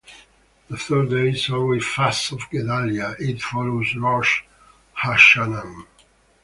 The third day is always Fast of Gedalia, it follows Rosh HaShanah.